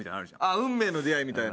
運命の出会いみたいな？